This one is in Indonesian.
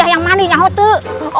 yang mandi nyawa tuh